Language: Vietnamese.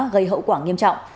gây hậu quả nghiêm trọng